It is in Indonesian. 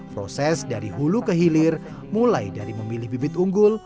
proses dari hulu ke hilir mulai dari memilih bibit unggul